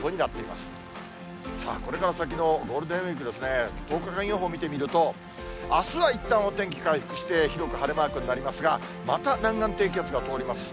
さあ、これから先のゴールデンウィークですね、１０日間予報見てみると、あすはいったんお天気回復して、広く晴れマークになりますが、また、南岸低気圧が通ります。